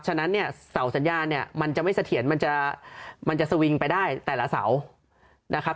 ฉะนั้นเนี่ยเสาสัญญาเนี่ยมันจะไม่เสถียรมันจะมันจะสวิงไปได้แต่ละเสานะครับ